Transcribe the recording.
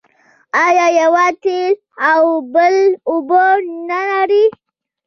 آیا یوه تېل او بل اوبه نلري؟